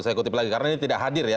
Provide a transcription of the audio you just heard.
saya kutip lagi karena ini tidak hadir ya